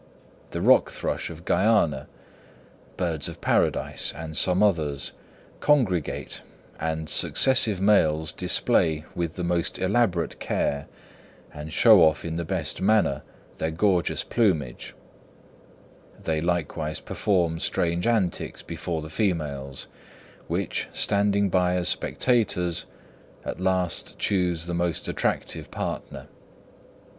The rock thrush of Guiana, birds of paradise, and some others, congregate, and successive males display with the most elaborate care, and show off in the best manner, their gorgeous plumage; they likewise perform strange antics before the females, which, standing by as spectators, at last choose the most attractive partner.